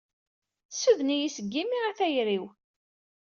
Suden-iyi seg yimi a tayri-iw!